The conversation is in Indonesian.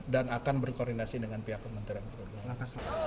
dan akan berkoordinasi dengan pihak pemerintah